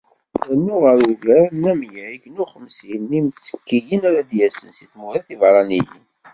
Rnu ɣer ugar n amyag u xemsin n yimttekkiyen ara d-yasen seg tmura tiberraniyin.